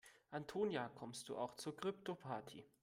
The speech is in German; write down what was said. Antonia, kommst du auch zur Kryptoparty?